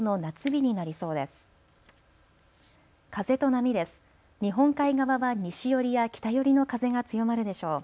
日本海側は西寄りや北寄りの風が強まるでしょう。